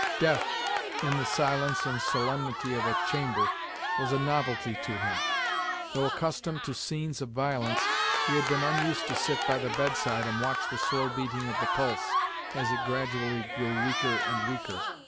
Death, in the silence and solemnity of a chamber, was a novelty to him. Though accustomed to scenes of violence, he had been unused to sit by the bedside and watch the slow beating of the pulse, as it gradually grew weaker and weaker.